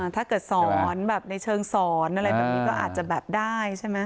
ถ้าเกิดสองออนไลน์ในเชิงสอนก็อาจจะได้ใช่ไหม